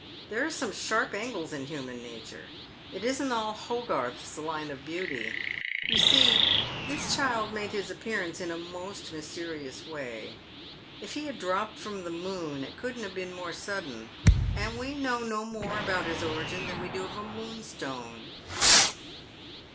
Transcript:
There are some sharp angles in human nature. It isn't all Hogarth's line of beauty. You see tbis child made his appearance in a most mysterious way. If he had dropped from the moon it couldn't have been more sudden, and we know no more about his origin than we do of a moonstone."